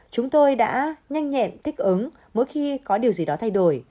chúng tôi đã nhanh nhẹn thích ứng mỗi khi có điều gì đó thay đổi